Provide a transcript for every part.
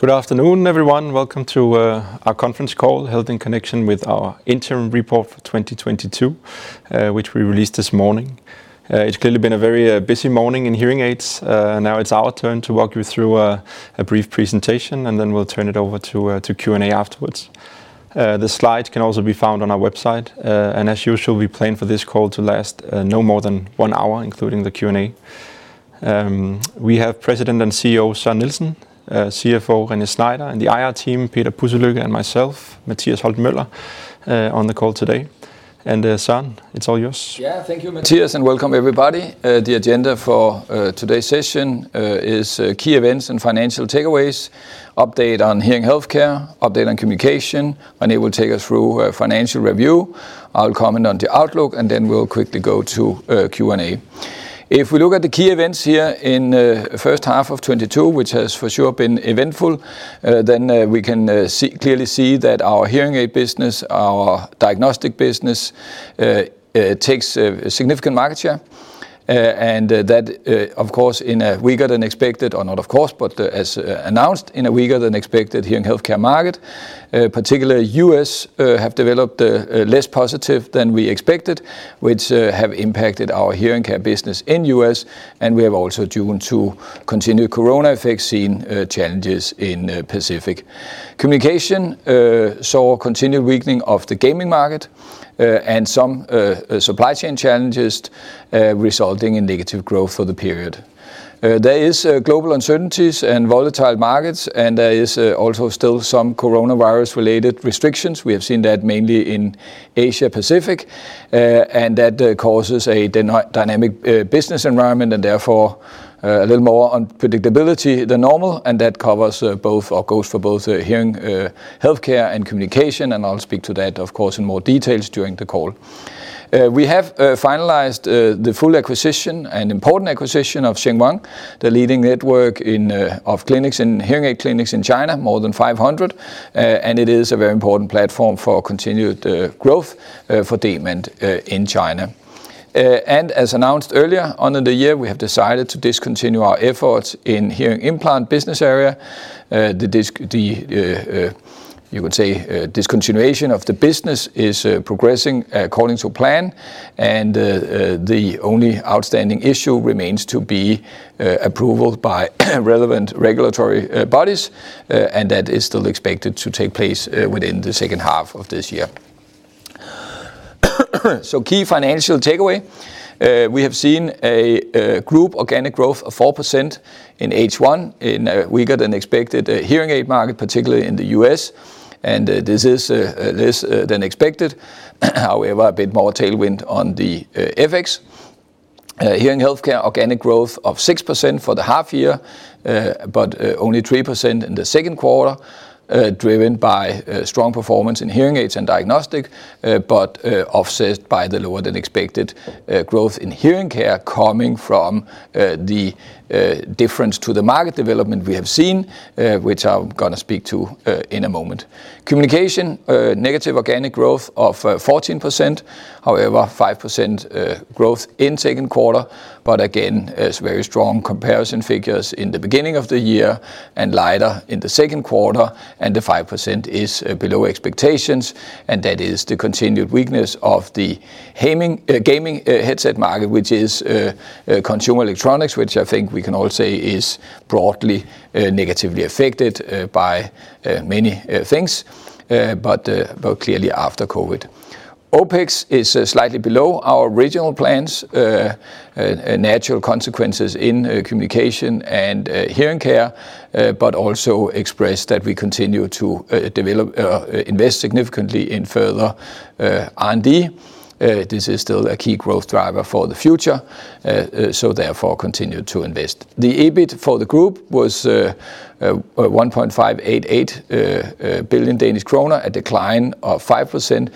Good afternoon, everyone. Welcome to our conference call held in connection with our interim report for 2022, which we released this morning. It's clearly been a very busy morning in hearing aids. Now it's our turn to walk you through a brief presentation, and then we'll turn it over to Q&A afterwards. The slides can also be found on our website. As usual, we plan for this call to last no more than one hour, including the Q&A. We have President and CEO Søren Nielsen, CFO René Schneider, and the IR team, Peter Pudselykke and myself, Mathias Holten Møller, on the call today. Søren, it's all yours. Yes. Thank you, Mathias, and welcome everybody. The agenda for today's session is key events and financial takeaways, update on hearing healthcare, update on communication, René will take us through a financial review. I'll comment on the outlook, and then we'll quickly go to Q&A. If we look at the key events here in first half of 2022, which has for sure been eventful, then we can clearly see that our hearing aid business, our diagnostic business, takes a significant market share. That, of course, in a weaker than expected or not, of course, but as announced in a weaker than expected hearing healthcare market, particularly US have developed a less positive than we expected, which have impacted our hearing care business in US. We have also due to continued coronavirus effects, seen challenges in Asia Pacific. Communication saw continued weakening of the gaming market and some supply chain challenges resulting in negative growth for the period. There is global uncertainties and volatile markets, and there is also still some coronavirus-related restrictions. We have seen that mainly in Asia-Pacific. That causes a dynamic business environment and therefore a little more unpredictability than normal, and that covers both or goes for both hearing healthcare and communication, and I'll speak to that, of course, in more details during the call. We have finalized the full acquisition and important acquisition of ShengWang, the leading network of hearing aid clinics in China, more than 500. It is a very important platform for continued growth for Demant in China. As announced earlier on in the year, we have decided to discontinue our efforts in hearing implant business area. You could say, discontinuation of the business is progressing according to plan. The only outstanding issue remains to be approval by relevant regulatory bodies, and that is still expected to take place within the second half of this year. Key financial takeaway. We have seen a group organic growth of 4% in Q1 in a weaker than expected hearing aid market, particularly in the US. This is better than expected. However, a bit more tailwind on the FX. Hearing healthcare organic growth of 6% for the half year, but only 3% in Q2, driven by strong performance in hearing aids and diagnostics, but offset by the lower than expected growth in hearing care coming from the difference to the market development we have seen, which I'm going to speak to in a moment. Communication negative organic growth of 14%, however, 5% growth in Q2, but again, it's very strong comparison figures in the beginning of the year and lighter in Q2, and the 5% is below expectations, and that is the continued weakness of the gaming headset market, which is consumer electronics, which I think we can all say is broadly negatively affected by many things, but clearly after COVID. OpEx is slightly below our original plans, natural consequences in communication and hearing care, but also express that we continue to invest significantly in further R&D. This is still a key growth driver for the future, so therefore continue to invest. The EBIT for the group was 1.588 billion Danish kroner, a decline of 5%.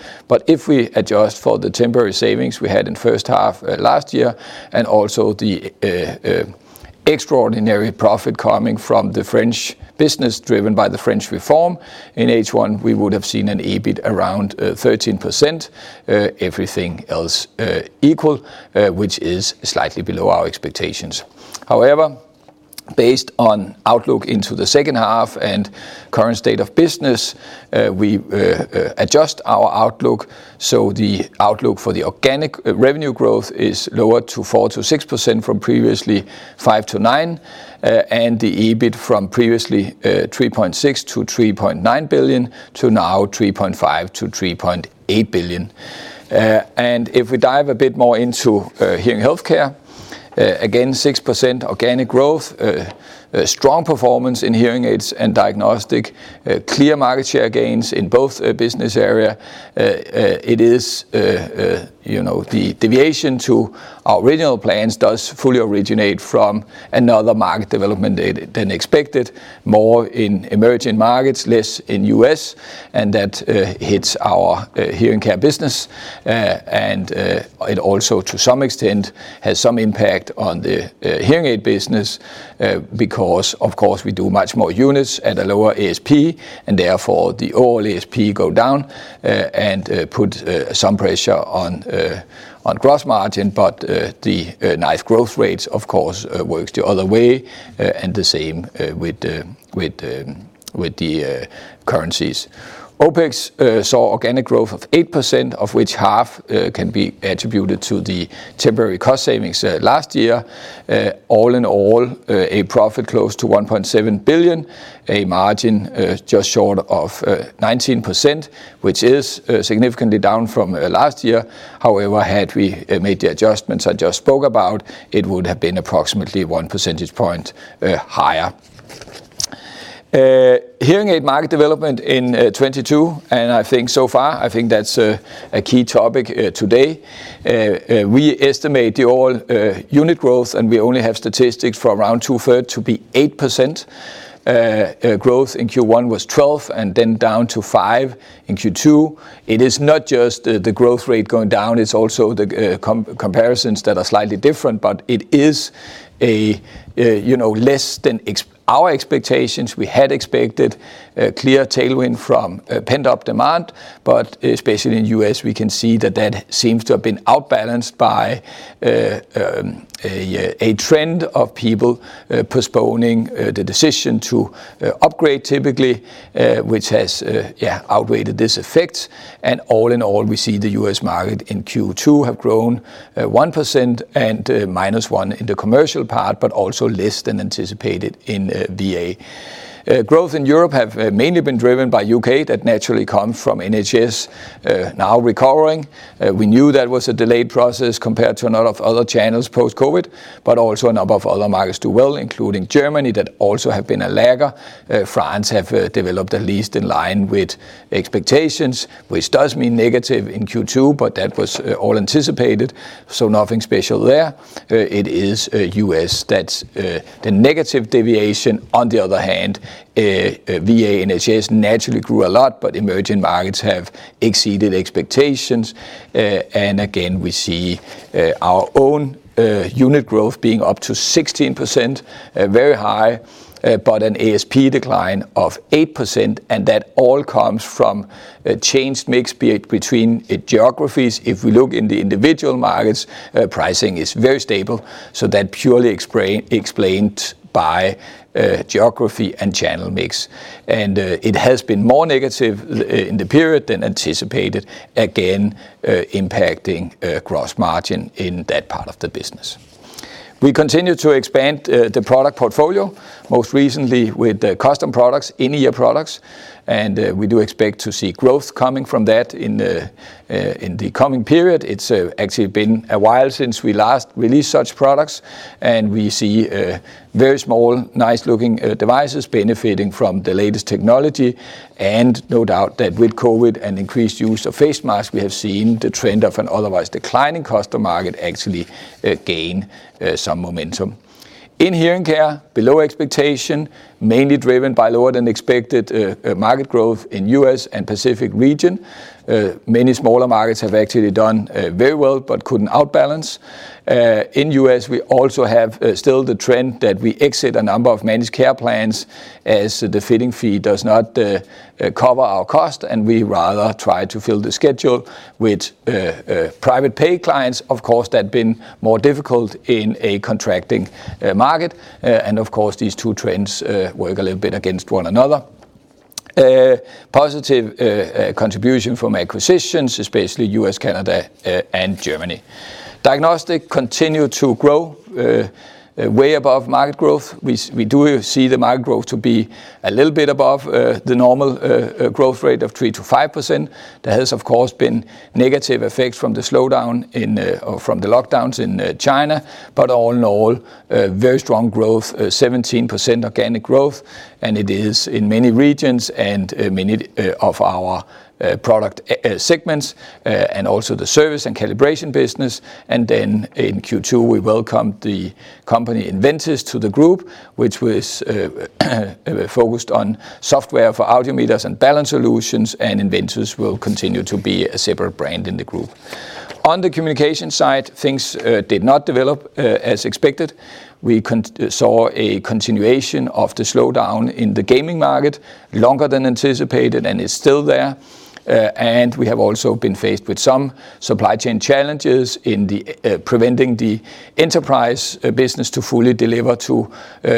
If we adjust for the temporary savings we had in first half last year and also the extraordinary profit coming from the French business driven by the French reform in Q1, we would have seen an EBIT around 13%, everything else equal, which is slightly below our expectations. However, based on outlook into the second half and current state of business, we adjust our outlook, so the outlook for the organic revenue growth is lower to 4%-6% from previously 5%-9%, and the EBIT from previously 3.6-3.9 billion to now 3.5-3.8 billion. If we dive a bit more into hearing healthcare, again, 6% organic growth, strong performance in hearing aids and diagnostics, clear market share gains in both business areas. The deviation from our original plans does fully originate from other market development than expected, more in emerging markets, less in U.S., and that hits our hearing care business. It also to some extent has some impact on the hearing aid business because of course we do much more units at a lower ASP and therefore the overall ASP go down and put some pressure on gross margin but the nice growth rates of course works the other way and the same with the currencies. OpEx saw organic growth of 8%, of which half can be attributed to the temporary cost savings from last year. All in all, a profit close to 1.7 billion, a margin just short of 19%, which is significantly down from last year. However, had we made the adjustments I just spoke about, it would have been approximately one percentage point higher. Hearing aid market development in 2022, I think so far, I think that's a key topic today. We estimate the overall unit growth, and we only have statistics for around two-thirds to be 8%. Growth in Q1 was 12% and then down to 5% in Q2. It is not just the growth rate going down, it's also the comparisons that are slightly different, but it is a less than our expectations. We had expected a clear tailwind from pent-up demand, but especially in U.S., we can see that seems to have been outbalanced by a trend of people postponing the decision to upgrade typically, which has outweighed this effect. All in all, we see the U.S. market in Q2 have grown 1% and -1% in the commercial part, but also less than anticipated in DA. Growth in Europe have mainly been driven by U.K. that naturally come from NHS now recovering. We knew that was a delayed process compared to a lot of other channels post-COVID, but also a number of other markets do well, including Germany that also have been a lagger. France have developed at least in line with expectations, which does mean negative in Q2, but that was all anticipated, so nothing special there. It is U.S. that's the negative deviation. On the other hand, V.A. and NHS naturally grew a lot, but emerging markets have exceeded expectations. Again, we see our own unit growth being up to 16%, very high, but an ASP decline of 8%, and that all comes from a changed mix be it between geographies. If we look in the individual markets, pricing is very stable, so that purely explained by geography and channel mix. It has been more negative in the period than anticipated, again impacting gross margin in that part of the business. We continue to expand the product portfolio, most recently with the custom products, in-ear products, and we do expect to see growth coming from that in the coming period. It's actually been a while since we last released such products, and we see very small, nice-looking devices benefiting from the latest technology. No doubt that with COVID and increased use of face masks, we have seen the trend of an otherwise declining custom market actually gain some momentum. In hearing care, below expectation, mainly driven by lower-than-expected market growth in U.S. and Pacific region. Many smaller markets have actually done very well but couldn't outbalance. In U.S., we also have still the trend that we exit a number of managed care plans as the fitting fee does not cover our cost, and we rather try to fill the schedule with private pay clients. Of course, that been more difficult in a contracting market. Of course, these two trends work a little bit against one another. Positive contribution from acquisitions, especially U.S., Canada, and Germany. Diagnostics continue to grow way above market growth. We do see the market growth to be a little bit above the normal growth rate of 3%-5%. There has, of course, been negative effects from the slowdown in or from the lockdowns in China. All in all, a very strong growth, 17% organic growth, and it is in many regions and many of our product segments, and also the service and calibration business. In Q2, we welcomed the company Inventis to the group, which was focused on software for audiometers and balance solutions, and Inventis will continue to be a separate brand in the group. On the communication side, things did not develop as expected. We saw a continuation of the slowdown in the gaming market longer than anticipated, and it's still there. We have also been faced with some supply chain challenges preventing the enterprise business to fully deliver to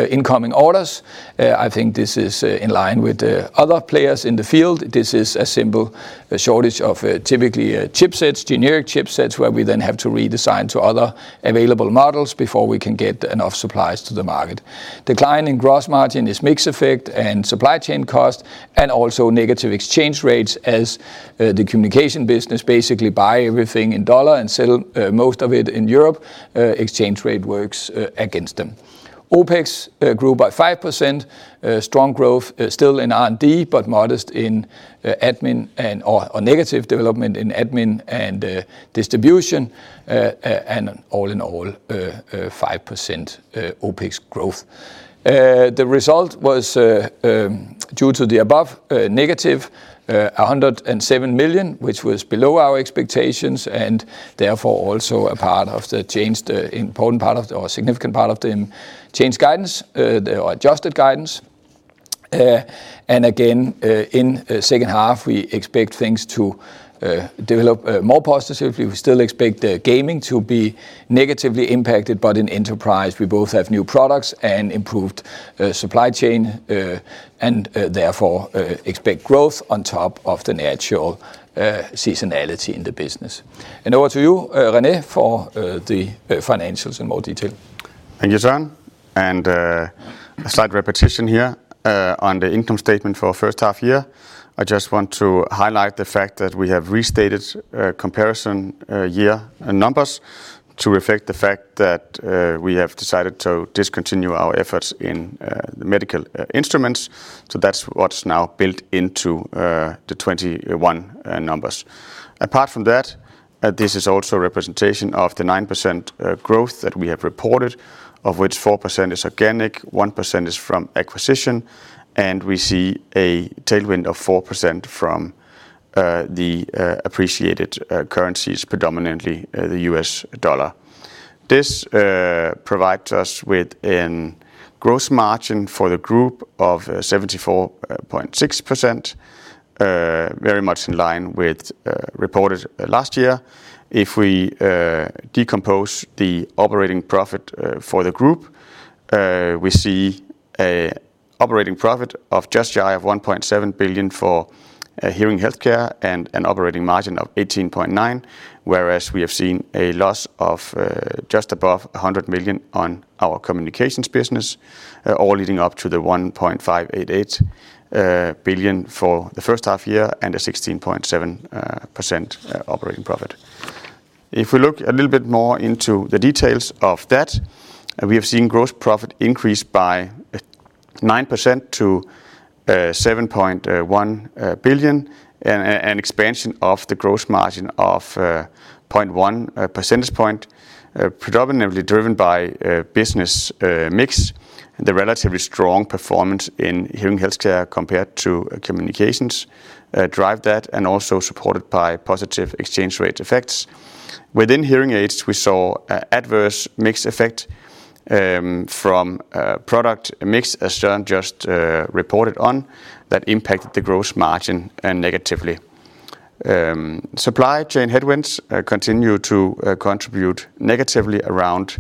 incoming orders. I think this is in line with the other players in the field. This is a simple shortage of typically chipsets, generic chipsets, where we then have to redesign to other available models before we can get enough supplies to the market. Decline in gross margin is mix effect and supply chain cost and also negative exchange rates as the communication business basically buy everything in dollar and sell most of it in Europe, exchange rate works against them. OpEx grew by 5%. Strong growth still in R&D, but modest in admin or negative development in admin and distribution. All in all, 5% OpEx growth. The result was due to the above negative 107 million, which was below our expectations and therefore also a significant part of the changed or adjusted guidance. In second half, we expect things to develop more positively. We still expect gaming to be negatively impacted, but in enterprise, we both have new products and improved supply chain and therefore expect growth on top of the natural seasonality in the business. Over to you, René, for the financials in more detail. Thank you, Søren. A slight repetition here on the income statement for our first half year. I just want to highlight the fact that we have restated comparison year and numbers to reflect the fact that we have decided to discontinue our efforts in the medical instruments. That's what's now built into the 2021 numbers. Apart from that, this is also a representation of the 9% growth that we have reported, of which 4% is organic, 1% is from acquisition, and we see a tailwind of 4% from the appreciated currencies, predominantly the US dollar. This provides us with a gross margin for the group of 74.6%, very much in line with reported last year. If we decompose the operating profit for the group, we see an operating profit of just shy of 1.7 billion for hearing healthcare and an operating margin of 18.9%, whereas we have seen a loss of just above 100 million on our communications business, all leading up to 1.588 billion for the first half year and a 16.7% operating profit. If we look a little bit more into the details of that, we have seen gross profit increase by 9% to 7.1 billion and expansion of the gross margin of 0.1 percentage point, predominantly driven by business mix. The relatively strong performance in hearing healthcare compared to communications drive that and also supported by positive exchange rate effects. Within hearing aids, we saw an adverse mix effect from product mix, as Søren just reported on, that impacted the gross margin negatively. Supply chain headwinds continue to contribute negatively around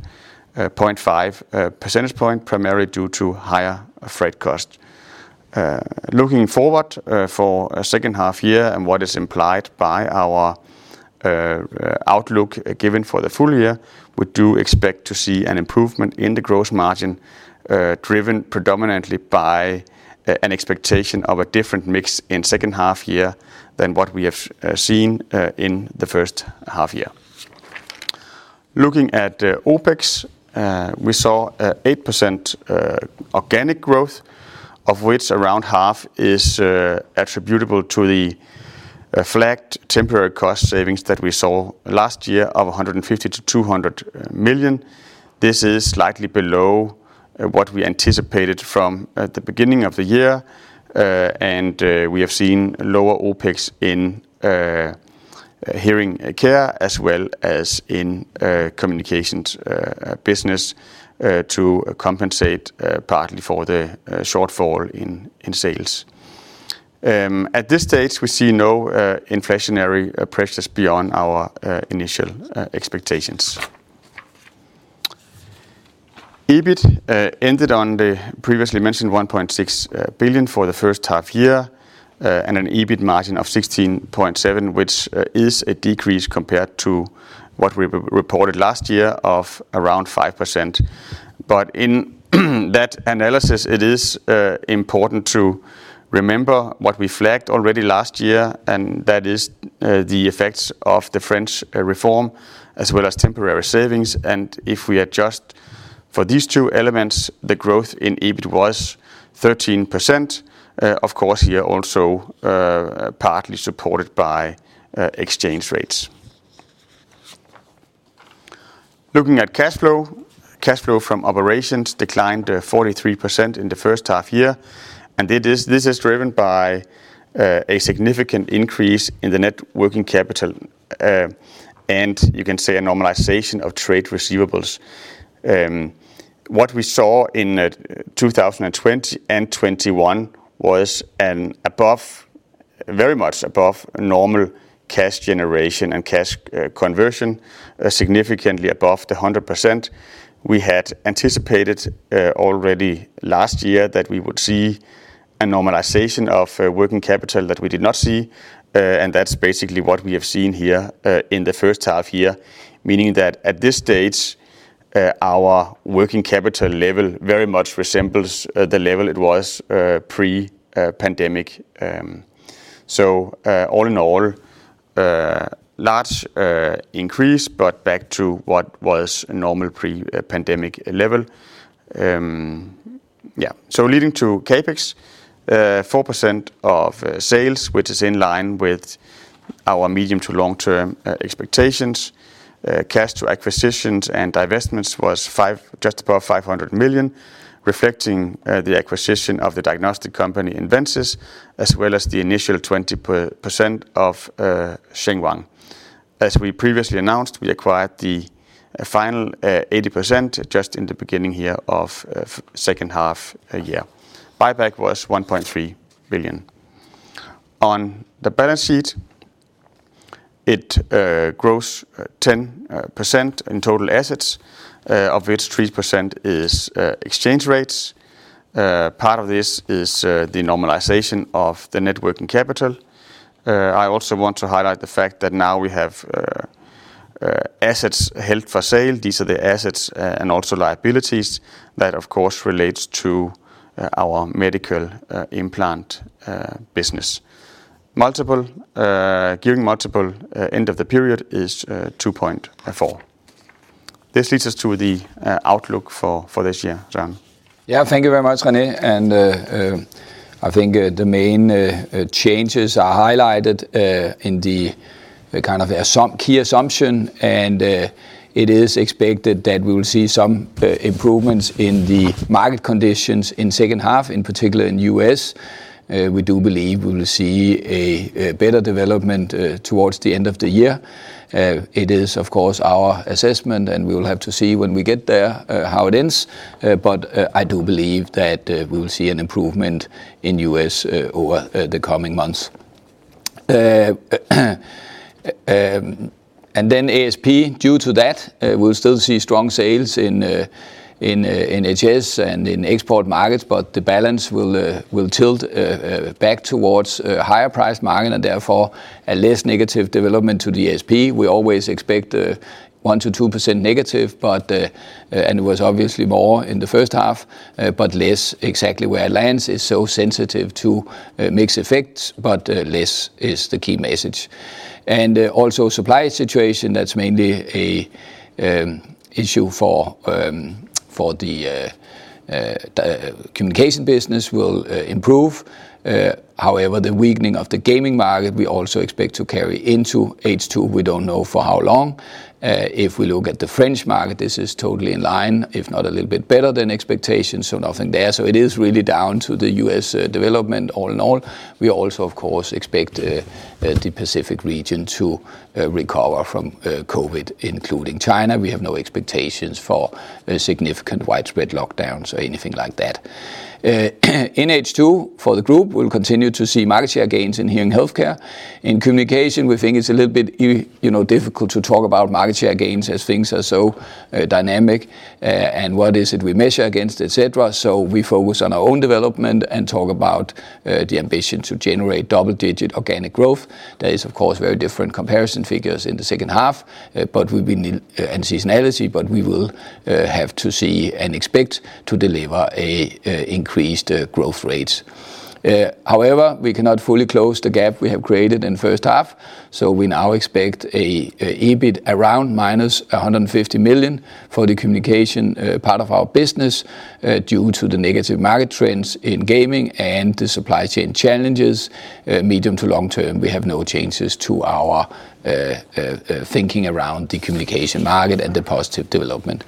0.5 percentage point, primarily due to higher freight cost. Looking forward for a second half year and what is implied by our outlook given for the full year, we do expect to see an improvement in the gross margin driven predominantly by an expectation of a different mix in second half year than what we have seen in the first half year. Looking at OpEx, we saw 8% organic growth, of which around half is attributable to the flat temporary cost savings that we saw last year of 150 million-200 million. This is slightly below what we anticipated from the beginning of the year. We have seen lower OpEx in hearing care as well as in communications business to compensate partly for the shortfall in sales. At this stage, we see no inflationary pressures beyond our initial expectations. EBIT ended on the previously mentioned 1.6 billion for the first half year, and an EBIT margin of 16.7%, which is a decrease compared to what we reported last year of around 5%. In that analysis, it is important to remember what we flagged already last year, and that is the effects of the 100% Santé as well as temporary savings. If we adjust for these two elements, the growth in EBIT was 13%. Of course, here also, partly supported by exchange rates. Looking at cash flow. Cash flow from operations declined 43% in the first half year. This is driven by a significant increase in the net working capital, and you can say a normalization of trade receivables. What we saw in 2020 and 2021 was an above, very much above normal cash generation and cash conversion, significantly above the 100%. We had anticipated already last year that we would see a normalization of working capital that we did not see. That's basically what we have seen here in the first half year, meaning that at this stage our working capital level very much resembles the level it was pre-pandemic. All in all, large increase but back to what was normal pre-pandemic level. Leading to CapEx 4% of sales, which is in line with our medium- to long-term expectations. Cash to acquisitions and divestments was just above 500 million, reflecting the acquisition of the diagnostic company Inventis, as well as the initial 20% of ShengWang. As we previously announced, we acquired the final 80% just in the beginning here of second half a year. Buyback was 1.3 billion. On the balance sheet, it grows 10% in total assets, of which 3% is exchange rates. Part of this is the normalization of the net working capital. I also want to highlight the fact that now we have assets held for sale. These are the assets and also liabilities that of course relates to our medical implant business. The multiple at the end of the period is 2.4x. This leads us to the outlook for this year. Yes. Thank you very much, René. I think the main changes are highlighted in the key assumption. It is expected that we will see some improvements in the market conditions in second half, in particular in U.S. We do believe we will see a better development towards the end of the year. It is of course our assessment, and we will have to see when we get there how it ends. I do believe that we will see an improvement in U.S. over the coming months. ASP due to that, we'll still see strong sales in HS and in export markets, but the balance will tilt back towards higher priced margin and therefore a less negative development to the ASP. We always expect 1%-2% negative, but and it was obviously more in the first half, but less, exactly where it lands. It's so sensitive to mix effects, but less is the key message. Also supply situation, that's mainly an issue for the communication business will improve. However, the weakening of the gaming market, we also expect to carry into Q2. We don't know for how long. If we look at the French market, this is totally in line, if not a little bit better than expectations, so nothing there. It is really down to the U.S. development all in all. We also, of course, expect the Pacific region to recover from COVID, including China. We have no expectations for significant widespread lockdowns or anything like that. In Q2 for the group, we'll continue to see market share gains in hearing healthcare. In communication, we think it's a little bit, difficult to talk about market share gains as things are so dynamic, and what is it we measure against, etc. We focus on our own development and talk about the ambition to generate double-digit organic growth. There is, of course, very different comparison figures in the second half, but we will have to see and expect to deliver an increased growth rate. However, we cannot fully close the gap we have created in first half, so we now expect an EBIT around -$150 million for the communication part of our business due to the negative market trends in gaming and the supply chain challenges. Medium- to long-term, we have no changes to our thinking around the communication market and the positive development.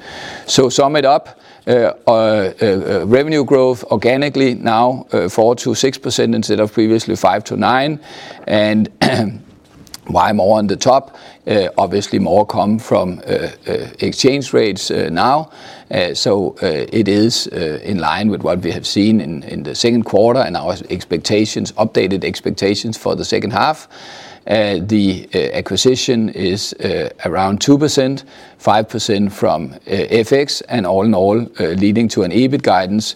Sum it up, revenue growth organically now 4%-6% instead of previously 5%-9%. And why more on the top? Obviously more come from exchange rates now. It is in line with what we have seen in Q2 and our expectations, updated expectations for the second half. The acquisition is around 2%-5% from FX, and all in all, leading to an EBIT guidance,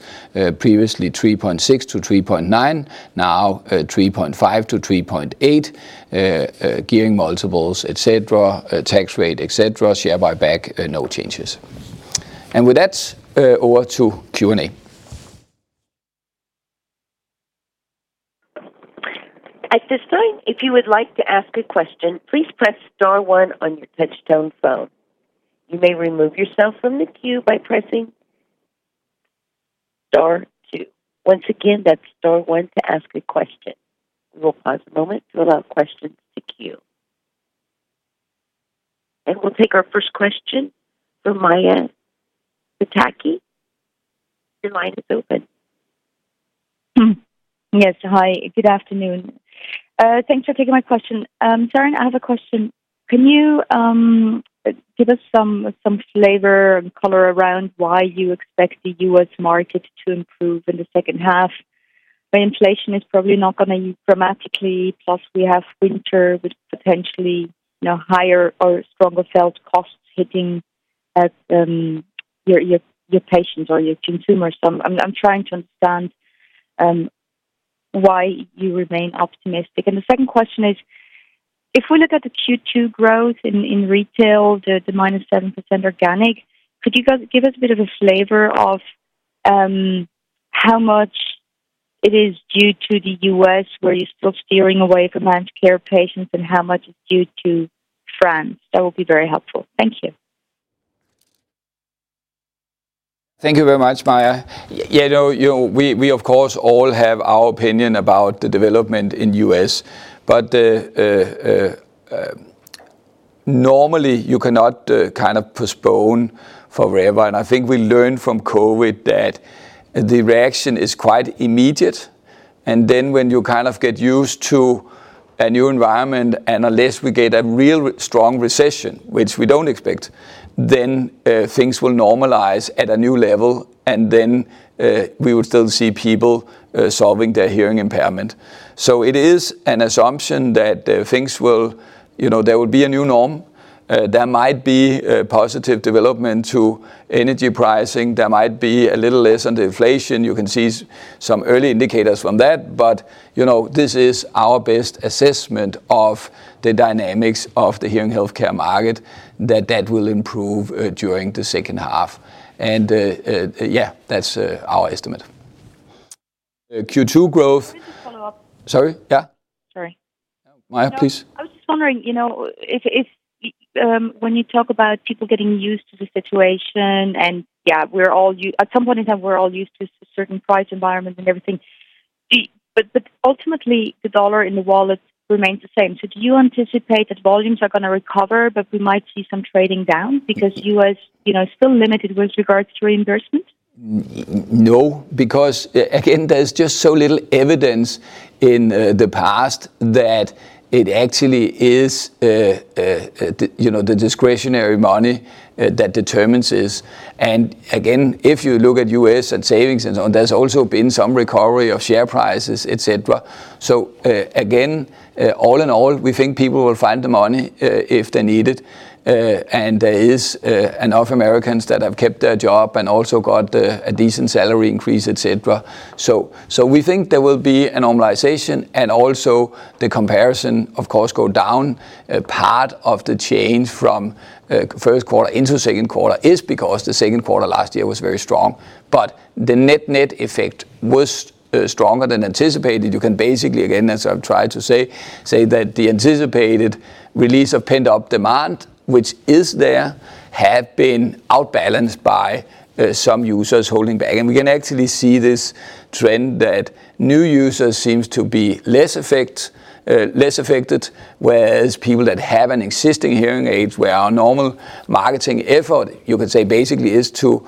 previously 3.6%-3.9%, now 3.5%-3.8%. Gearing multiples, etc., tax rate, etc., share buyback, no changes. With that, over to Q&A. At this time, if you would like to ask a question, please press star one on your touchtone phone. You may remove yourself from the queue by pressing star two. Once again, that's star one to ask a question. We will pause a moment to allow questions to queue. We'll take our first question from Maja Pataki. Your line is open. Yes. Hi, good afternoon. Thanks for taking my question. Søren, I have a question. Can you give us some flavor and color around why you expect the U.S. market to improve in the second half? The inflation is probably not going to dramatically. Plus, we have winter with potentially, higher or stronger sales costs hitting at your patients or your consumers. I'm trying to understand why you remain optimistic. The second question is, if we look at Q2 growth in retail, the -7% organic, could you guys give us a bit of a flavor of how much it is due to the U.S. where you're still steering away from home care patients and how much is due to France? That would be very helpful. Thank you. Thank you very much, Maja. We of course all have our opinion about the development in U.S. Normally, you cannot postpone forever. I think we learned from COVID that the reaction is quite immediate. Then, when you get used to a new environment and unless we get a real strong recession, which we don't expect, then things will normalize at a new level, and then we will still see people solving their hearing impairment. It is an assumption that things will... There will be a new norm. There might be a positive development to energy pricing. There might be a little less on the inflation. You can see some early indicators from that. This is our best assessment of the dynamics of the hearing healthcare market that will improve during the second half. That's our estimate. Q2 growth... Just a follow-up. Sorry. Sorry. Maja, please. I was just wondering, when you talk about people getting used to the situation and at some point in time, we're all used to certain price environments and everything. Ultimately, the dollar in the wallet remains the same. Do you anticipate that volumes are going to recover, but we might see some trading down because the US is still limited with regards to reimbursement? No, because again, there's just so little evidence in the past that it actually is the discretionary money that determines this. Again, if you look at U.S. and savings and so on, there's also been some recovery of share prices, etc. Again, all in all, we think people will find the money if they need it. There is enough Americans that have kept their job and also got a decent salary increase, etc. We think there will be a normalization, and also the comparison, of course, go down. Part of the change from Q1 into Q2 is because Q2 last year was very strong. The net-net effect was stronger than anticipated. You can basically, again, as I've tried to say that the anticipated release of pent-up demand, which is there, had been outbalanced by some users holding back. We can actually see this trend that new users seems to be less affected, whereas people that have an existing hearing aid, where our normal marketing effort, you could say, basically is to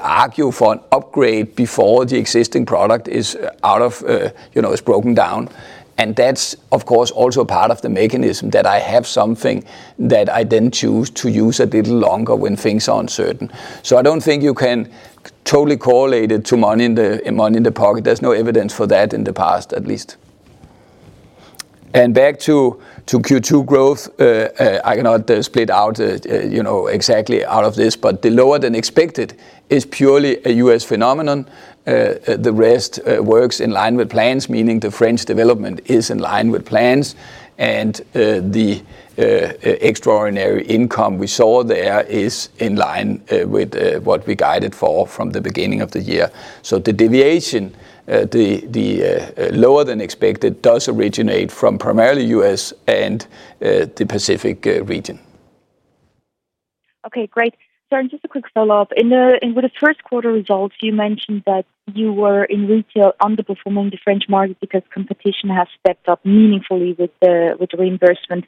argue for an upgrade before the existing product is out of, is broken down. That's, of course, also part of the mechanism that I have something that I then choose to use a little longer when things are uncertain. I don't think you can totally correlate it to money in the pocket. There's no evidence for that in the past at least. Back to Q2 growth. I cannot split out you know exactly out of this. The lower than expected is purely a U.S. phenomenon. The rest works in line with plans, meaning the French development is in line with plans. The extraordinary income we saw there is in line with what we guided for from the beginning of the year. The deviation, the lower than expected, does originate from primarily U.S. and the Pacific region. Okay, great. Sorry, just a quick follow-up. In Q1 results, you mentioned that you were in retail underperforming the French market because competition has stepped up meaningfully with the reimbursement.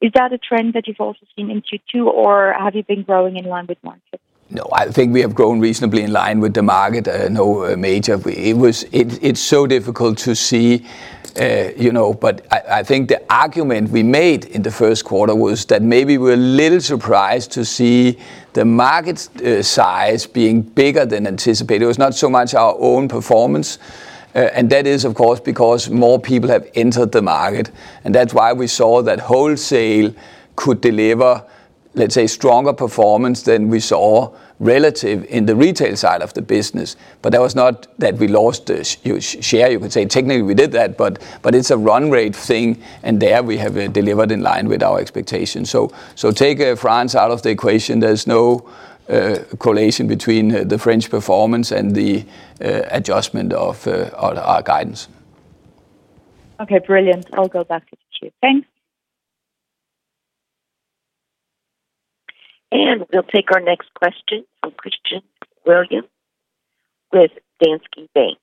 Is that a trend that you've also seen in Q2, or have you been growing in line with market? No, I think we have grown reasonably in line with the market. No major. It's so difficult to see. I think the argument we made in Q1 was that maybe we're a little surprised to see the market size being bigger than anticipated. It was not so much our own performance. That is, of course, because more people have entered the market, and that's why we saw that wholesale could deliver, let's say, stronger performance than we saw relative in the retail side of the business. That was not that we lost a share, you could say. Technically, we did that, but it's a run rate thing, and there we have delivered in line with our expectations. Take France out of the equation. There's no correlation between the French performance and the adjustment of our guidance. Okay, brilliant. I'll go back to the queue. Thanks. We'll take our next question from Christian Ryom with Danske Bank.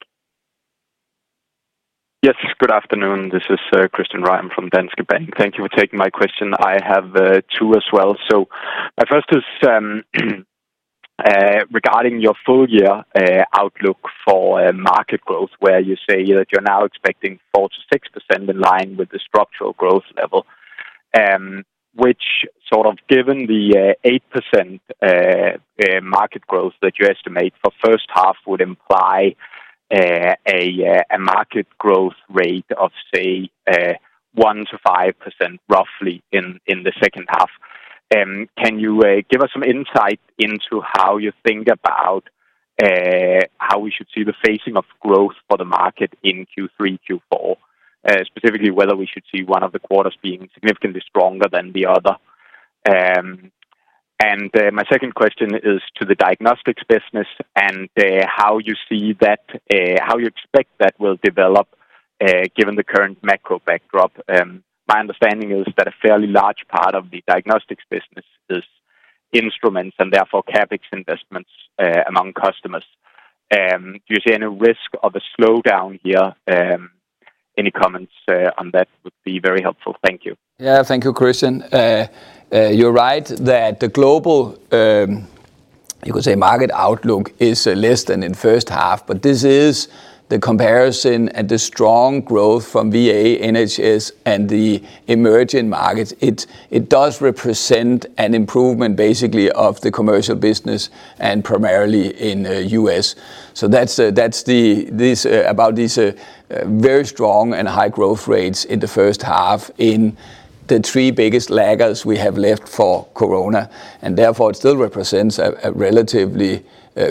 Yes, good afternoon. This is Christian Ryom from Danske Bank. Thank you for taking my question. I have two as well. My first is regarding your full year outlook for market growth, where you say that you're now expecting 4%-6% in line with the structural growth level. Which given the 8% market growth that you estimate for first half would imply a market growth rate of, say, 1%-5% roughly in the second half. Can you give us some insight into how you think about how we should see the phasing of growth for the market in Q3, Q4? Specifically whether we should see one of the quarters being significantly stronger than the other. My second question is to the diagnostics business and how you expect that will develop, given the current macro backdrop. My understanding is that a fairly large part of the diagnostics business is instruments and therefore CapEx investments among customers. Do you see any risk of a slowdown here? Any comments on that would be very helpful. Thank you. Yes. Thank you, Christian. You're right that the global, you could say, market outlook is less than in first half, but this is the comparison and the strong growth from VA, NHS, and the emerging markets. It does represent an improvement basically of the commercial business and primarily in U.S. That's about this very strong and high growth rates in the first half. The three biggest laggards we have left for Corona, and therefore it still represents a relatively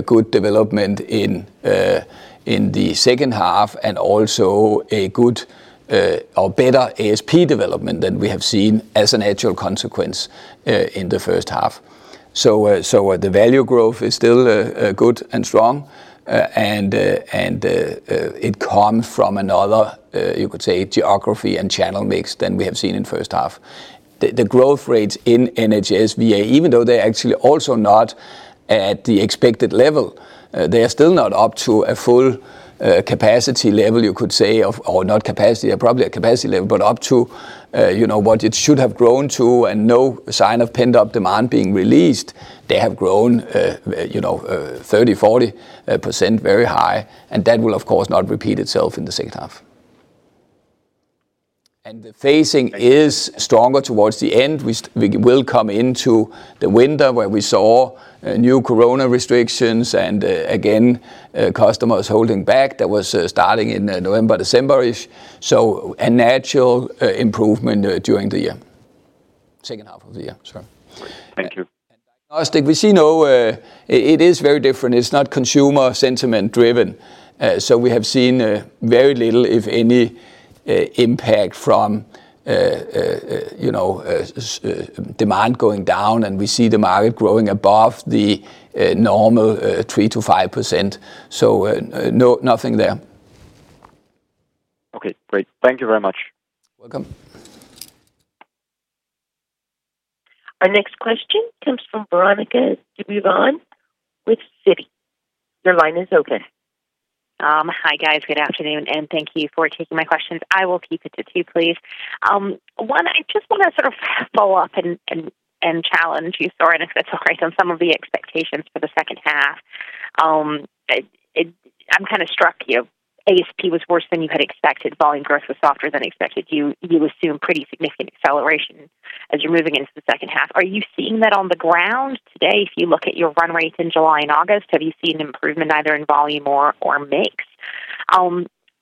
good development in the second half and also a good or better ASP development than we have seen as an actual consequence in the first half. The value growth is still good and strong. It comes from another, you could say, geography and channel mix than we have seen in first half. The growth rates in NHS VA, even though they're actually also not at the expected level, they are still not up to a full capacity level, you could say. Or not capacity, or probably a capacity level, but up to what it should have grown to and no sign of pent-up demand being released. They have grown 30%-40% very high, and that will of course not repeat itself in the second half. The phasing is stronger towards the end. We will come into the window where we saw new Corona restrictions and, again, customers holding back. That was starting in November, December-ish. A natural improvement during the second half of the year, sorry. Thank you. Diagnostics, we see no... It is very different. It's not consumer sentiment driven. We have seen very little, if any, impact from demand going down, and we see the market growing above the normal 3%-5%. Nothing there. Okay. Great. Thank you very much. Welcome. Our next question comes from Veronika Dubajova with Citi. Your line is open. Hi, guys. Good afternoon, and thank you for taking my questions. I will keep it to two, please. One, I just want to follow up and challenge you, Søren, if that's all right, on some of the expectations for the second half. I'm struck your ASP was worse than you had expected. Volume growth was softer than expected. You assume pretty significant acceleration as you're moving into the second half. Are you seeing that on the ground today? If you look at your run rates in July and August, have you seen an improvement either in volume or mix?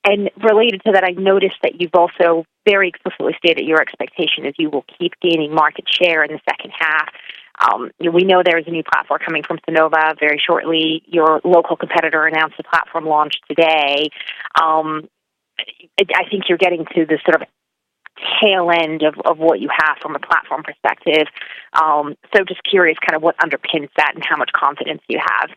Related to that, I've noticed that you've also very explicitly stated your expectation is you will keep gaining market share in the second half. We know there is a new platform coming from Sonova very shortly. Your local competitor announced the platform launch today. I think you're getting to the tail end of what you have from a platform perspective. Just curious what underpins that and how much confidence you have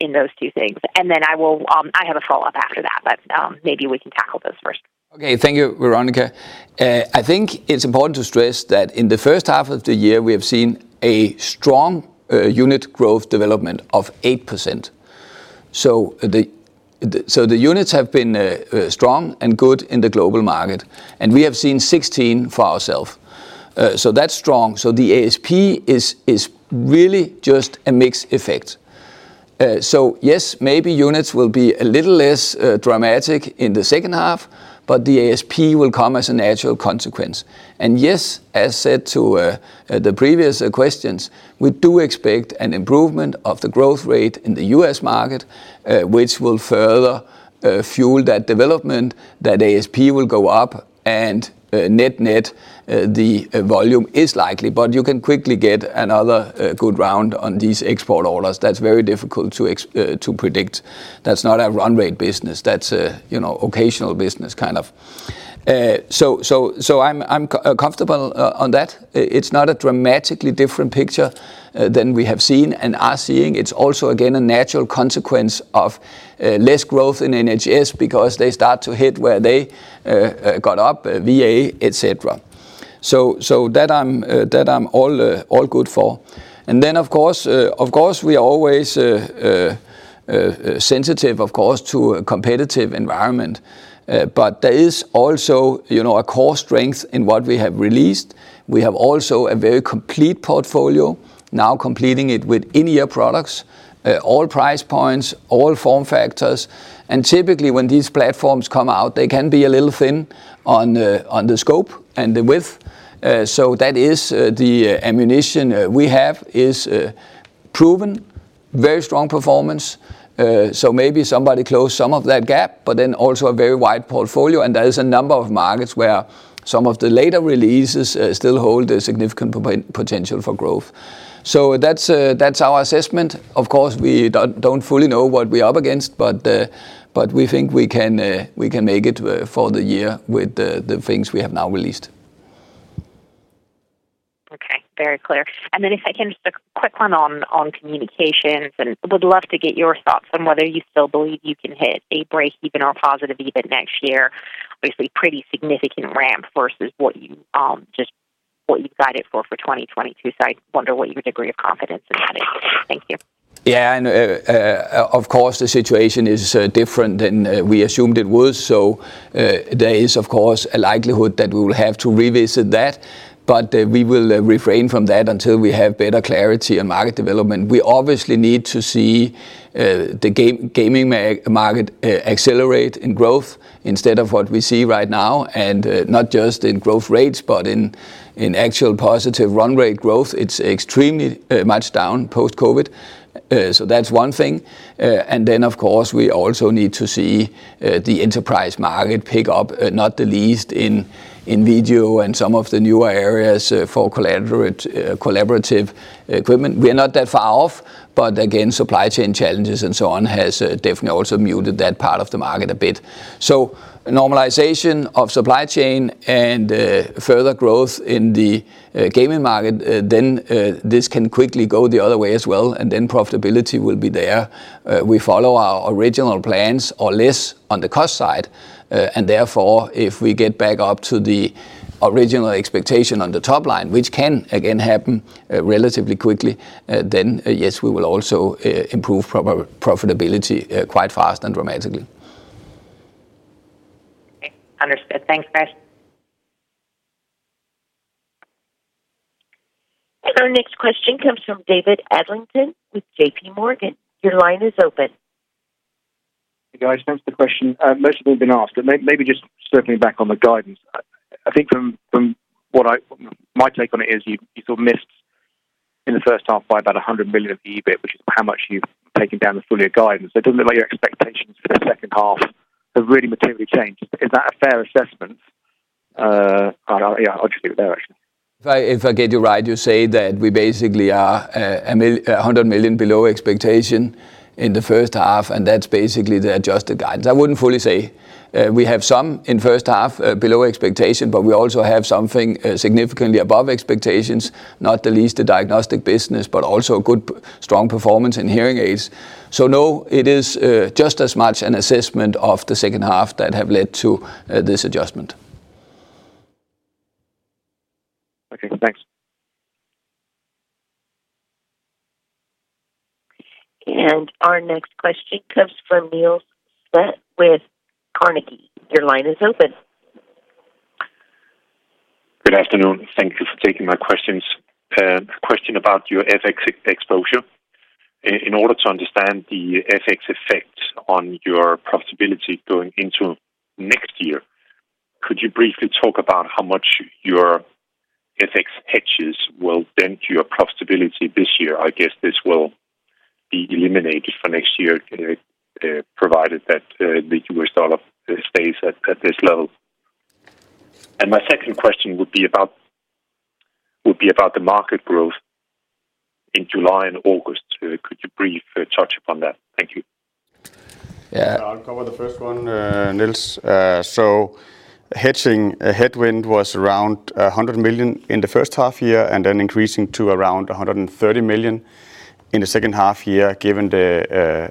in those two things. Then, I will have a follow-up after that, but maybe we can tackle those first. Okay. Thank you, Veronika. I think it's important to stress that in the first half of the year, we have seen a strong unit growth development of 8%. The units have been strong and good in the global market, and we have seen 16% for ourselves. That's strong. The ASP is really just a mix effect. Maybe units will be a little less dramatic in the second half, but the ASP will come as a natural consequence. Yes, as said to the previous questions, we do expect an improvement of the growth rate in the US market, which will further fuel that development, that ASP will go up and, net-net, the volume is likely, but you can quickly get another good round on these export orders. That's very difficult to predict. That's not a run rate business. That's an occasional business. I'm comfortable on that. It's not a dramatically different picture than we have seen and are seeing. It's also again, a natural consequence of less growth in NHS because they start to hit where they got up, VA, etc. That I'm all good for. Of course, we are always sensitive to a competitive environment. There is also a core strength in what we have released. We have also a very complete portfolio now completing it with in-ear products, all price points, all form factors. Typically, when these platforms come out, they can be a little thin on the scope and the width. That is the ammunition we have is proven very strong performance. Maybe somebody closed some of that gap, but then also a very wide portfolio. There is a number of markets where some of the later releases still hold a significant potential for growth. That's our assessment. Of course, we don't fully know what we're up against, but we think we can make it for the year with the things we have now released. Okay. Very clear. Then if I can, just a quick one on communications, and would love to get your thoughts on whether you still believe you can hit a breakeven or a positive EBIT next year. Obviously, pretty significant ramp versus what you just guided for 2022. I wonder what your degree of confidence in that is. Thank you. Yes, of course, the situation is different than we assumed it was. There is of course a likelihood that we will have to revisit that, but we will refrain from that until we have better clarity on market development. We obviously need to see the gaming market accelerate in growth instead of what we see right now, and not just in growth rates, but in actual positive run rate growth. It's extremely much down post-COVID. That's one thing. Of course, we also need to see the enterprise market pick up, not the least in video and some of the newer areas for collaborative equipment. We are not that far off, but again, supply chain challenges and so on has definitely also muted that part of the market a bit. Normalization of supply chain and further growth in the gaming market then this can quickly go the other way as well, and then profitability will be there. We follow our original plans or less on the cost side and therefore, if we get back up to the original expectation on the top line, which can again happen relatively quickly then yes, we will also improve profitability quite fast and dramatically. Okay. Understood. Thanks, Søren. Our next question comes from David Adlington with JPMorgan. Your line is open. Hey, guys. Thanks for the question. Most if not all have been asked, but maybe just circling back on the guidance. I think from what my take on it is you missed in the first half by about 100 million of EBIT, which is how much you've taken down the full year guidance. It doesn't look like your expectations for the second half have really materially changed. Is that a fair assessment? I'll just leave it there, actually. If I get you right, you say that we basically are 100 million below expectation in the first half, and that's basically the adjusted guidance. I wouldn't fully say. We have some in first half below expectation, but we also have something significantly above expectations, not the least the diagnostic business, but also a good strong performance in hearing aids. No, it is just as much an assessment of the second half that have led to this adjustment. Okay, thanks. Our next question comes from Niels Granholm-Leth with Carnegie. Your line is open. Good afternoon. Thank you for taking my questions. A question about your FX exposure. In order to understand the FX effects on your profitability going into next year, could you briefly talk about how much your FX hedges will dent your profitability this year? I guess this will be eliminated for next year, provided that the US dollar stays at this level. My second question would be about the market growth in July and August. Could you briefly touch upon that? Thank you. Yes. I'll cover the first one, Niels. Hedging, a headwind was around 100 million in the first half year, and then increasing to around 130 million in the second half year, given the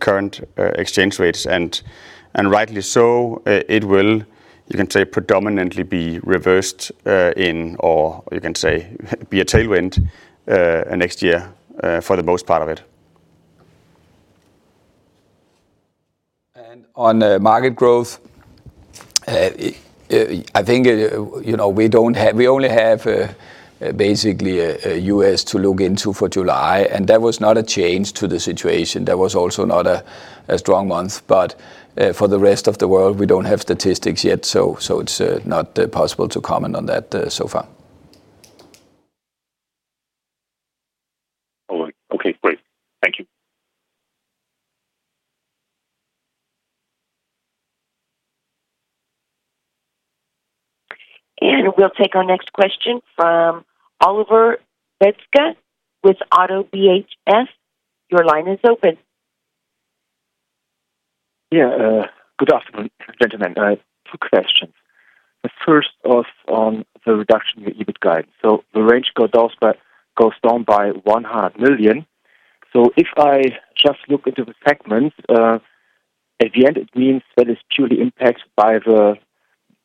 current exchange rates. Rightly so, it will, you can say predominantly be reversed, or you can say be a tailwind next year, for the most part of it. On market growth, I think we only have basically a U.S. to look into for July, and that was not a change to the situation. That was also not a strong month, but for the rest of the world, we don't have statistics yet. It's not possible to comment on that so far. All right. Okay, great. Thank you. We'll take our next question from Oliver Metzger with Oddo BHF. Your line is open. Yes. Good afternoon, gentlemen. I have two questions. The first on the reduction in the EBIT guide. The range goes down by 100 million. If I just look into the segments, at the end it means that it's purely impacted by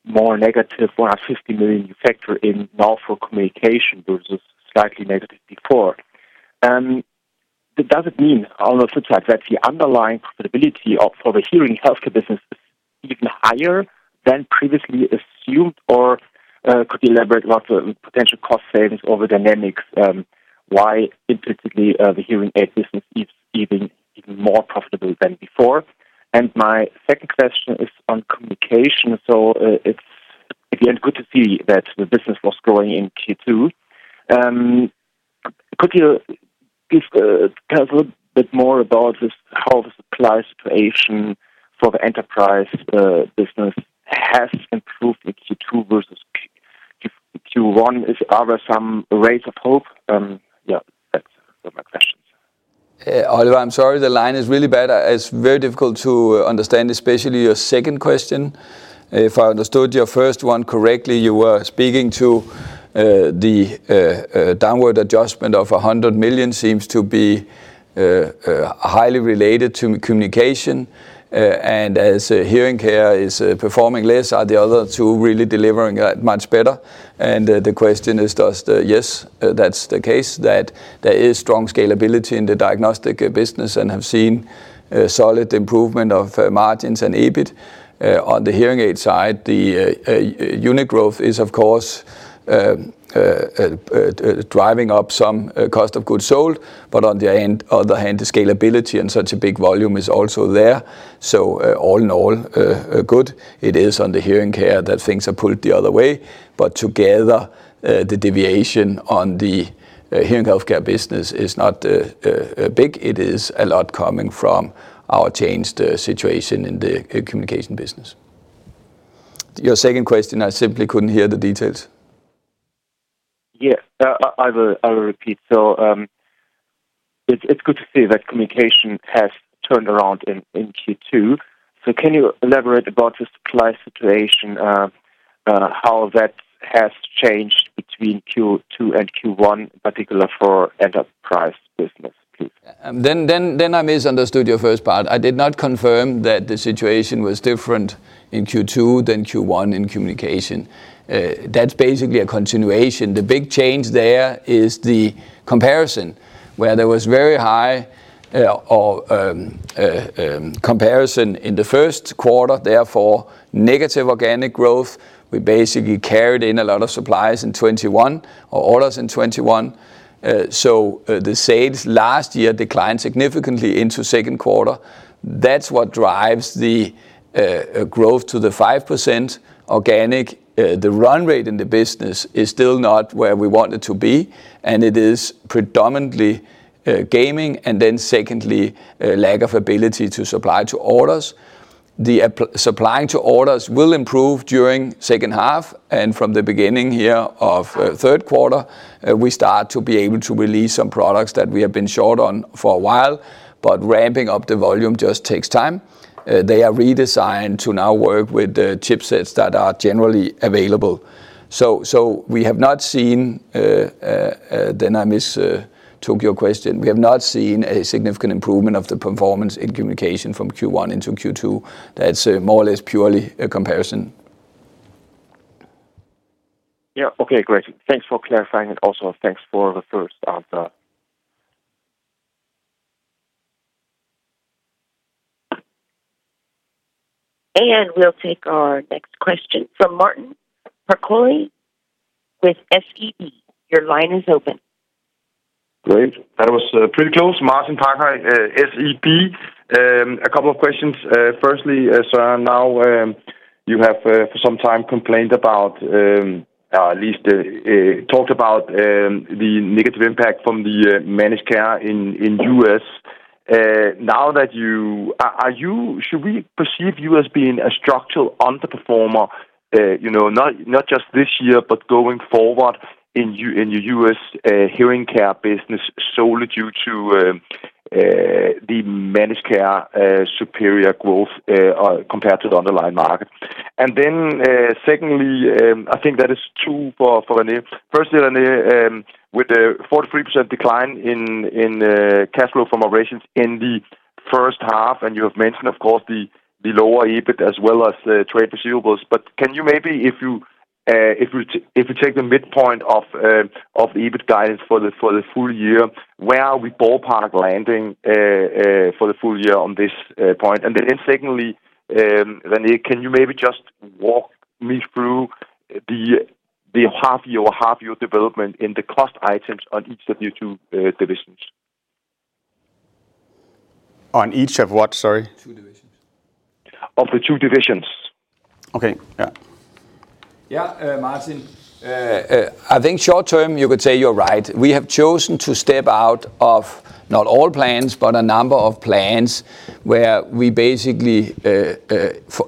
the more negative 150 million you factor in now for communication versus slightly negative before. Does it mean on the profit side that the underlying profitability for the hearing healthcare business is even higher than previously assumed? Or could you elaborate what the potential cost savings or the dynamics, why intrinsically, the hearing aid business is even more profitable than before? My second question is on communication. It's again, good to see that the business was growing in Q2. Could you tell us a little bit more about this, how the supply situation for the enterprise business has improved in Q2 versus Q1? Are there some rays of hope? Oliver, I'm sorry the line is really bad. It's very difficult to understand, especially your second question. If I understood your first one correctly, you were speaking to the downward adjustment of 100 million seems to be highly related to communication. As hearing care is performing less, are the other two really delivering much better? The question is, yes, that's the case, that there is strong scalability in the diagnostic business and have seen solid improvement of margins and EBIT. On the hearing aid side, the unit growth is, of course, driving up some cost of goods sold, but on the other hand, the scalability and such a big volume is also there. All in all, good. It is on the hearing care that things are pulled the other way, but together, the deviation on the hearing healthcare business is not big. It is a lot coming from our changed situation in the communication business. Your second question, I simply couldn't hear the details. I will repeat. It's good to see that communication has turned around in Q2. Can you elaborate about the supply situation, how that has changed between Q2 and Q1, particular for enterprise business, please? Then I misunderstood your first part. I did not confirm that the situation was different in Q2 than Q1 in communication. That's basically a continuation. The big change there is the comparison, where there was very high comparison in Q1, therefore negative organic growth. We basically carried in a lot of supplies in 2021 or orders in 2021. The sales last year declined significantly into Q2. That's what drives the growth to the 5% organic. The run rate in the business is still not where we want it to be, and it is predominantly gaming and then secondly lack of ability to supply to orders. Supplying to orders will improve during second half, and from the beginning here of third quarter, we start to be able to release some products that we have been short on for a while. Ramping up the volume just takes time. They are redesigned to now work with the chipsets that are generally available. Then I mistook your question. We have not seen a significant improvement of the performance in communication from Q1 into Q2. That's more or less purely a comparison. Yes. Okay, great. Thanks for clarifying and also thanks for the first answer. We'll take our next question from Martin Parkhøi with SEB. Your line is open. Great. That was pretty close. Martin Parkhøi, SEB. A couple of questions. Firstly, Søren, now you have for some time complained about or at least talked about the negative impact from the managed care in U.S. Should we perceive you as being a structural underperformer, not just this year, but going forward in your U.S. hearing care business solely due to the managed care superior growth compared to the underlying market? Secondly, I think that is true for René. Firstly, René, with the 4%-3% decline in cash flow from operations in the first half, and you have mentioned, of course, the lower EBIT as well as the trade receivables. Can you maybe, if you take the midpoint of the EBIT guidance for the full year, where are we ballpark landing for the full year on this point? Then secondly, René, can you maybe just walk me through the half year development in the cost items on each of your two divisions? On each of what? Sorry. Of the two divisions. Martin, I think short-term, you could say you're right. We have chosen to step out of not all plans, but a number of plans where we basically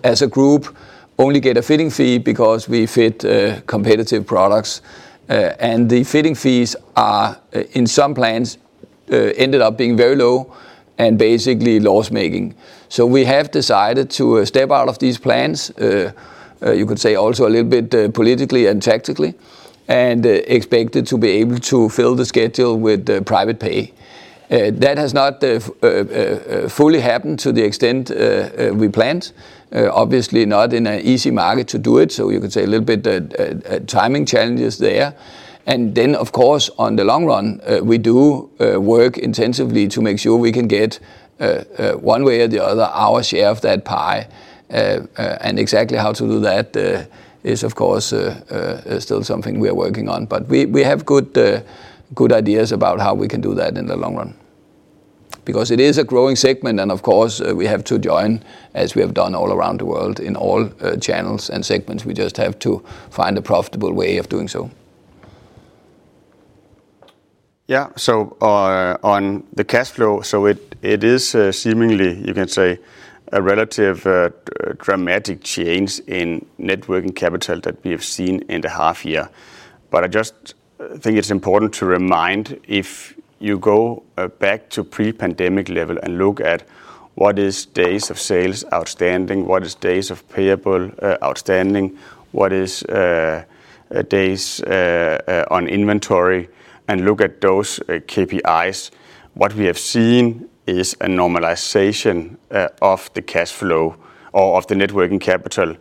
as a group only get a fitting fee because we fit competitive products. The fitting fees, in some plans, ended up being very low and basically loss-making. We have decided to step out of these plans, you could say also a little bit politically and tactically, and expected to be able to fill the schedule with private pay. That has not fully happened to the extent we planned, obviously not in an easy market to do it. You could say a little bit timing challenges there. Of course, in the long run, we do work intensively to make sure we can get, one way or the other, our share of that pie. Exactly how to do that is, of course, still something we are working on. We have good ideas about how we can do that in the long run because it is a growing segment and of course, we have to join, as we have done all around the world in all channels and segments. We just have to find a profitable way of doing so. Yes. On the cash flow, it is seemingly, you can say, a relatively dramatic change in net working capital that we have seen in the half year. I just think it's important to remind, if you go back to pre-pandemic level and look at what is days of sales outstanding, what is days of payable outstanding, what is days on inventory, and look at those KPIs, what we have seen is a normalization of the cash flow or of the net working capital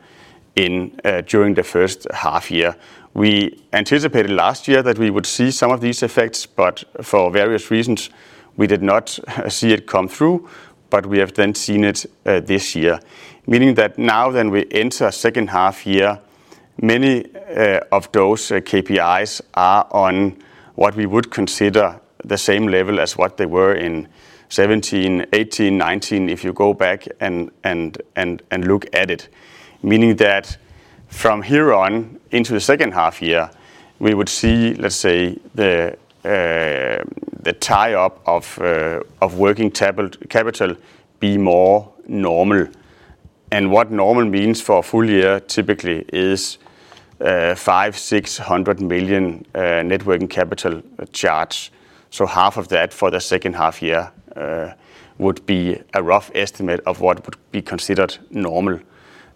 during the first half year. We anticipated last year that we would see some of these effects, but for various reasons, we did not see it come through. We have then seen it this year, meaning that now then we enter second half year, many of those KPIs are on what we would consider the same level as what they were in 2017, 2018, 2019 if you go back and look at it. Meaning that from here on into the second half year, we would see, let's say, the tie up of working capital be more normal. What normal means for a full year typically is 500-600 million net working capital charge. Half of that for the second half year would be a rough estimate of what would be considered normal.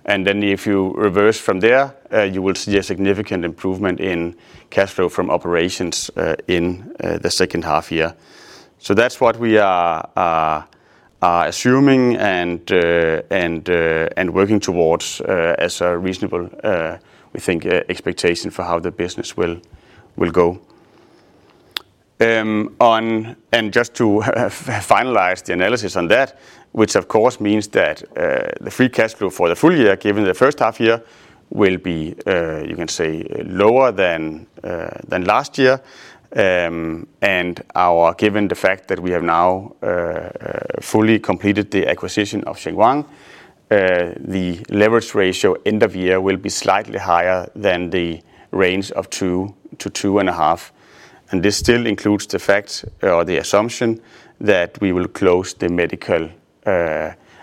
Then, if you reverse from there, you will see a significant improvement in cash flow from operations in the second half year. That's what we are assuming and working towards as a reasonable, we think, expectation for how the business will go. Just to finalize the analysis on that, which of course means that the free cash flow for the full year, given the first half year, will be you can say lower than last year. Given the fact that we have now fully completed the acquisition of ShengWang, the leverage ratio end of year will be slightly higher than the range of 2-2.5, and this still includes the fact or the assumption that we will close the medical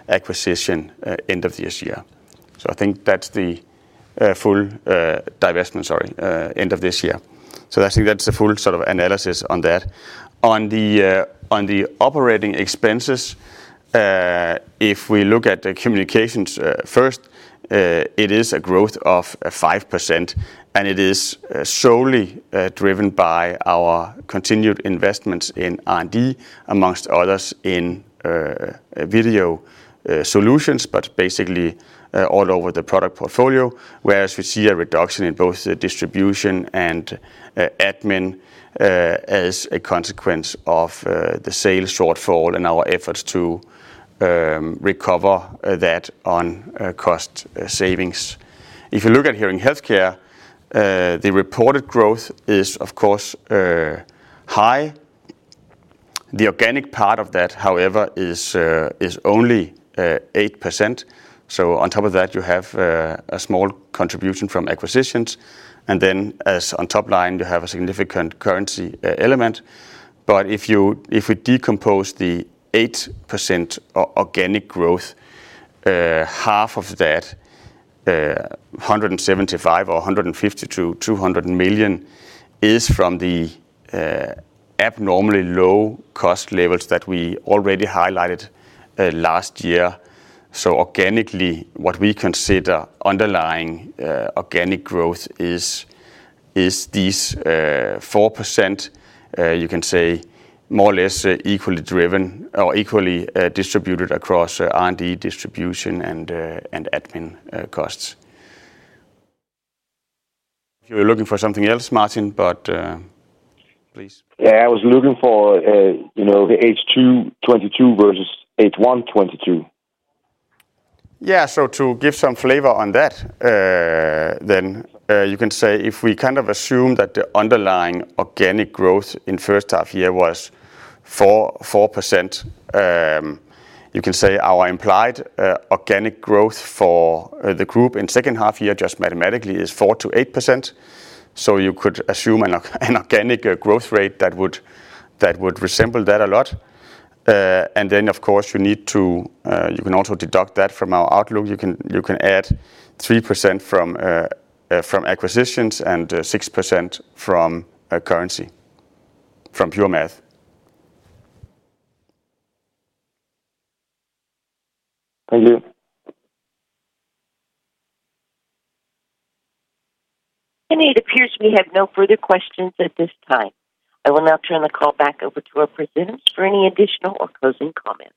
acquisition end of this year. I think that's the full divestment, sorry, end of this year. I think that's the full analysis on that. On the operating expenses, if we look at the communications first, it is a growth of 5%, and it is solely driven by our continued investments in R&D, among others in video solutions, but basically all over the product portfolio, whereas we see a reduction in both the distribution and admin as a consequence of the sales shortfall and our efforts to recover that on cost savings. If you look at hearing healthcare, the reported growth is of course high. The organic part of that, however, is only 8%. On top of that you have a small contribution from acquisitions. Then as on top line, you have a significant currency element. If we decompose the 8% organic growth, half of that, 175 million or 150 million-200 million is from the abnormally low cost levels that we already highlighted last year. Organically, what we consider underlying organic growth is these 4%, you can say more or less equally driven or equally distributed across R&D, distribution and admin costs. You were looking for something else, Martin, but please. Yes, I was looking for, the Q2 2022 versus Q1 2022. Yes. To give some flavor on that, you can say if we assume that the underlying organic growth in first half year was 4%, our implied organic growth for the group in second half year, just mathematically, is 4%-8%. You could assume an organic growth rate that would resemble that a lot. Of course, you can also deduct that from our outlook. You can add 3% from acquisitions and 6% from currency, from pure math. Thank you. It appears we have no further questions at this time. I will now turn the call back over to our presenters for any additional or closing comments.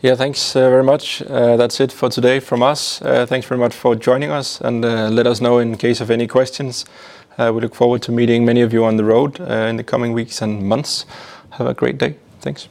Yes, thanks very much. That's it for today from us. Thanks very much for joining us, and let us know in case of any questions. We look forward to meeting many of you on the road, in the coming weeks and months. Have a great day. Thanks.